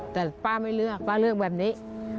แต่ป้าไม่เลือกป้าเลือกแบบนี้